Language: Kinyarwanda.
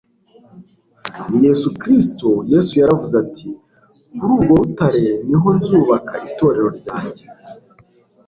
ni Yesu Kristo» Yesu yaravuze ati: «Kuri urwo rutare ni ho nzubaka itorero ryanjye.»